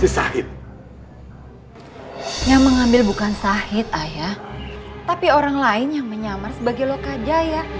yang mengambil bukan sahid ayah tapi orang lain yang menyamar sebagai loka jaya